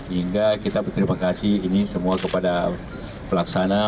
hingga kita berterima kasih ini semua kepada pelaksana